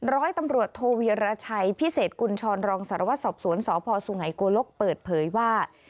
ร้อยตำรวจโทเวียรชัยพิเศษกุญชรรองสารวัตรสอบสวนสพสุไงโกลกเปิดเผยว่า